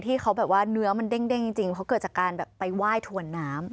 ที่เขาแบบว่าเนื้อมันเด้งจริงเพราะเกิดจากการแบบไปไหว้ถวนน้ำ